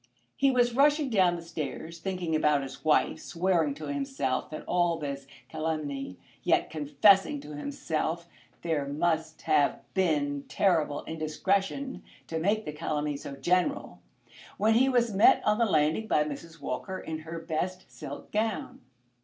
He was rushing down the stairs, thinking about his wife, swearing to himself that all this was calumny, yet confessing to himself that there must have been terrible indiscretion to make the calumny so general, when he was met on the landing by Mrs. Walker in her best silk gown.